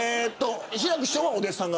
志らく師匠は、お弟子さんが。